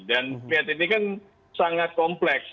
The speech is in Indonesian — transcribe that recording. dan lihat ini kan sangat kompleks